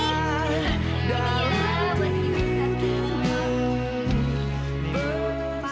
ini ya buat ibu ibu